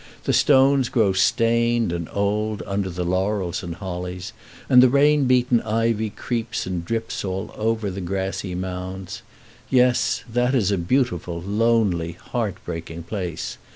The stones grow stained and old under the laurels and hollies, and the rain beaten ivy creeps and drips all over the grassy mounds. Yes, that is a beautiful, lonely, heart breaking place.